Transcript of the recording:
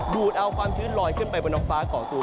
ดูดเอาความชื้นลอยขึ้นไปบนท้องฟ้าก่อตัว